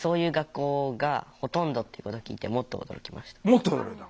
もっと驚いた？